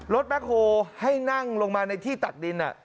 รถแม็กโฮล์ให้นั่งลงมาในที่ตัดดิน